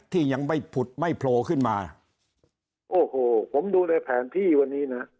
ที่ยังไม่ผุดไม่โผล่ขึ้นมาโอ้โหผมดูในแผนที่วันนี้นะ